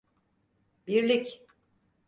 Birlik!